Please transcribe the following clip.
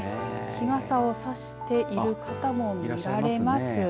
日傘をさしている方も見られますね。